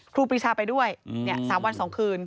ครูปีชาไปด้วย๓วัน๒คืน